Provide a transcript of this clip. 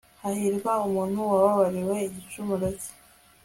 hahirwa umuntu wababariwe igicumuro cye